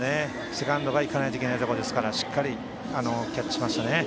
セカンドが行かないといけないところですからしっかりキャッチしましたね。